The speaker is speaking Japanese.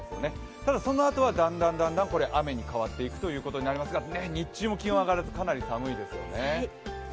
ただそのあとはだんだん雨に変わっていくということになりますが日中も気温が上がらずかなり寒いですよね。